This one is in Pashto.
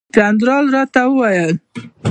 جنرال راته وویل.